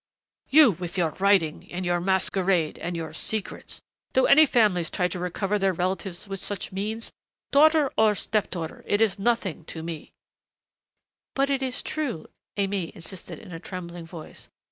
You, with your writing and your masquerade and your secrets! Do any families try to recover their relatives with such means? Daughter or step daughter, it is nothing to me " "But it is true," Aimée insisted, in a trembling voice.